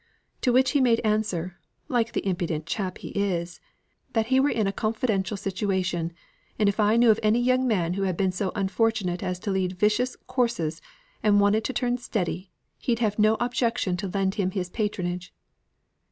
To which he made answer, like the impudent chap he is, that he were in a confidential situation, and if I knew of any young man who had been so unfortunate as to lead vicious courses, and wanted to turn steady, he'd have no objection to lend him his patronage.